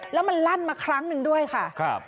แล้วมันลั่นมาครั้งหนึ่งด้วยค่ะ